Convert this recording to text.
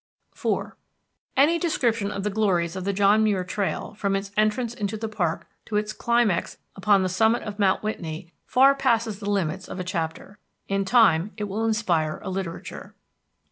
IV Any description of the glories of the John Muir Trail from its entrance into the park to its climax upon the summit of Mount Whitney far passes the limits of a chapter. In time it will inspire a literature.